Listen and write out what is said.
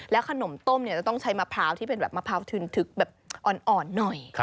ขนมต้มจะต้องใช้มะพร้าวที่เป็นแบบมะพร้าวทึนทึกแบบอ่อนหน่อย